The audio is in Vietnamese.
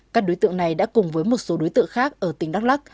các đối tượng này đã cùng với một số đối tượng khác ở tỉnh đắk lắc